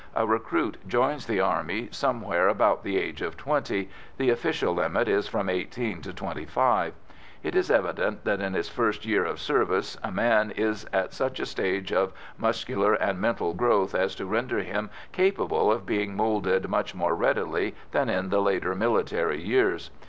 A recruit joins the army somewhere about the age of twenty the official limit is from eighteen to twenty five; it is evident that in his first year of service a man is at such a stage of muscular and mental growth as to render him capable of being moulded much more readily than in the later military years.